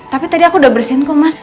tapi tadi aku udah bersihin kok mas